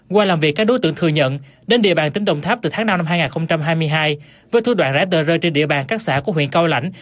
qua làm việc các đối tượng thừa nhận đến địa bàn tỉnh đồng tháp từ tháng năm năm hai nghìn hai mươi hai với thủ đoạn rải tờ rơi trên địa bàn các xã của huyện cao lãnh